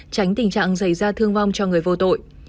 tránh tình trạng xảy ra thương vong cho người vô tội